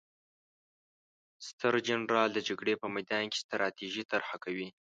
ستر جنرال د جګړې په میدان کې ستراتیژي طرحه کوي.